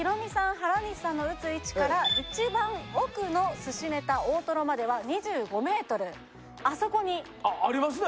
原西さんの打つ位置から一番奥の寿司ネタ大トロまでは２５ｍあそこにはいあっありますね